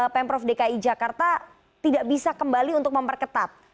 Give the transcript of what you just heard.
pemprov dki jakarta tidak bisa kembali untuk memperketat